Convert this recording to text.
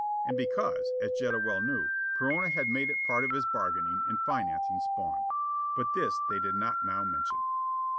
And because, as Jetta well knew, Perona had made it part of his bargaining in financing Spawn. But this they did not now mention.